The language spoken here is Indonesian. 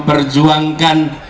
adalah orang yang di sini